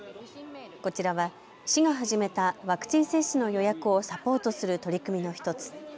こちらは市が始めたワクチン接種の予約をサポートする取り組みの１つ。